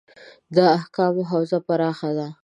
د احکامو حوزه پراخه ده.